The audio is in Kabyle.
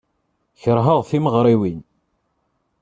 Keṛheɣ timeɣriwin.